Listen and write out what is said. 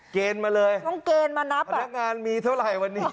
เกณฑ์มาเลยน้องเกณฑ์มานับอ่ะพนักงานมีเท่าไหร่วันนี้